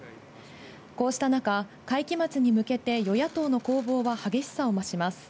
こうした中、会期末に向けて与野党の攻防は激しさを増します。